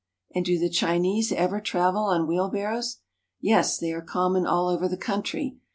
And do the Chinese ever travel on wheelbarrows ? Yes, they are common all over the country.